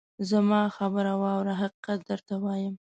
زما خبره واوره ! حقیقت درته وایم.